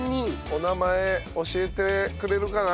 お名前教えてくれるかな？